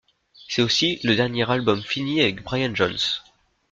C'est aussi le dernier album fini avec Brian Jones.